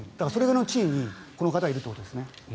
その地位にこの人はいるということですね。